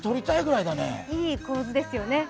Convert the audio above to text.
いい構図ですよね。